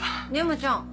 山ちゃん。